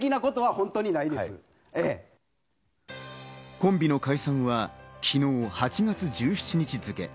コンビの解散は昨日、８月１７日付。